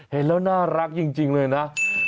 เห็นแล้วน่ารักจริงเลยนะ